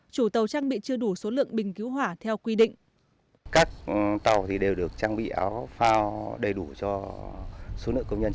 chủ tàu trang bị chưa đủ số lượng bình cứu hỏa theo quy định